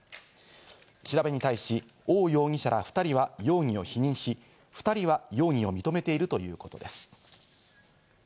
調べに対し、オウ容疑者ら２人は容疑を否認し、２人は容疑を認めているということです。